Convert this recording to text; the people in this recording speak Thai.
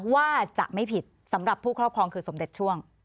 ว่าจะไม่ผิดสำหรับผู้ครอบครองคือสมเด็จช่วง